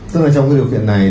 tức là trong cái điều kiện này